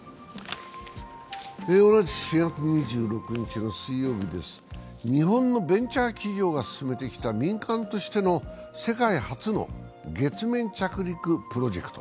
同じく４月２６日の水曜日です日本のベンチャー企業が進めてきた民間としての世界初の月面着陸プロジェクト。